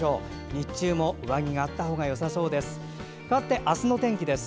日中も上着があったほうがよさそうです。